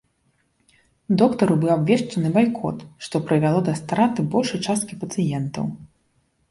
Доктару быў абвешчаны байкот, што прывяло да страты большай часткі пацыентаў.